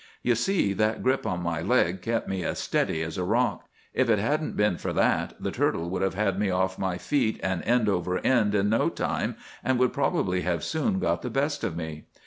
You see, that grip on my leg kept me as steady as a rock. If it hadn't been for that, the turtle would have had me off my feet and end over end in no time, and would probably have soon got the best of me.